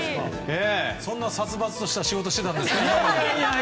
そんな殺伐とした仕事してたんですか？